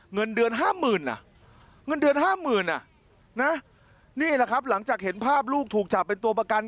เงินเดือนห้ามหมื่นอ่ะนี่แหละครับหลังจากเห็นภาพลูกถูกจับเป็นตัวประกัน